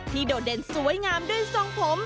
โดดเด่นสวยงามด้วยทรงผม